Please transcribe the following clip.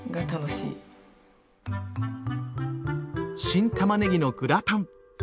新たまねぎのグラタン。